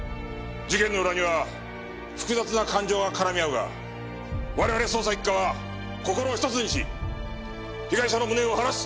事件の裏には複雑な感情が絡み合うが我々捜査一課は心を一つにし被害者の無念を晴らす。